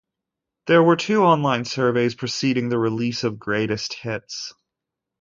There were two online surveys preceding the release of "Greatest Hits".